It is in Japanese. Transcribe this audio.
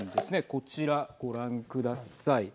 こちら、ご覧ください。